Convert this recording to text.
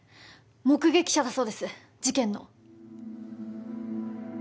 目撃者だそうです事件の。